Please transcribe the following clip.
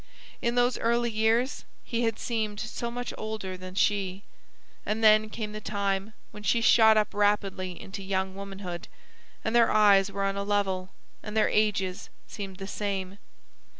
In those early years he had seemed so much older than she. And then came the time when she shot up rapidly into young womanhood and their eyes were on a level and their ages seemed the same.